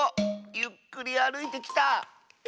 ゆっくりあるいてきた！